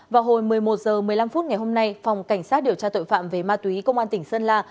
vào hồi một mươi một h một mươi năm phút ngày hôm nay phòng cảnh sát điều tra tội phạm về ma túy công an tỉnh sơn la